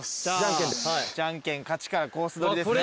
じゃんけん勝ちからコース取りですね。